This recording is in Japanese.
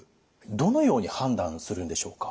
どのように判断するんでしょうか？